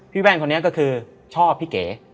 แว่นคนนี้ก็คือชอบพี่เก๋